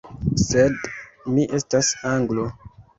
Sed, mi estas Anglo.